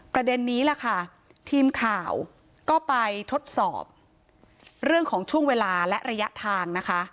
ประเด็นนี้แหละค่ะทีมข่าวก็ไปทดสอบเรื่องของช่วงเวลาและระยะทางนะคะ